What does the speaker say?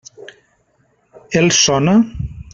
Els sona?